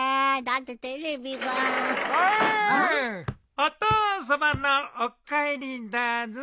お父さまのお帰りだぞうぃ。